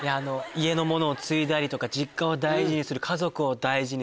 家のものを継いだりとか実家を大事にする家族を大事にする。